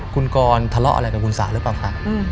คุณกรทะเลาะอะไรกับคุณสาระป่ะค่ะ